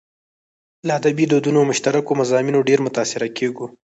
له ادبي دودونو او مشترکو مضامينو ډېر متاثره کېږو.